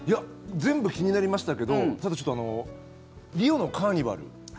全部気になりましたけどリオのカーニバル。